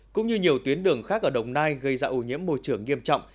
cũng như nhiều tuyến đường khác ở đồng nai gây ra ủ nhiễm môi trường nghiêm trọng